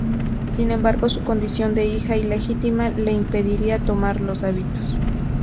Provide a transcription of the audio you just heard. Sin embargo, su condición de hija ilegítima le impediría tomar los hábitos.